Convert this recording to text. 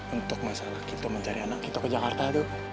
untuk masalah kita mencari anak kita ke jakarta tuh